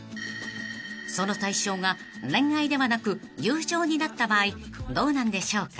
［その対象が恋愛ではなく友情になった場合どうなんでしょうか？］